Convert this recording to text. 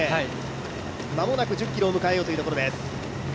間もなく１０ｋｍを迎えようというところです。